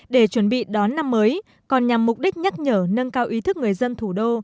để chuẩn bị đón năm mới còn nhằm mục đích nhắc nhở nâng cao ý thức người dân thủ đô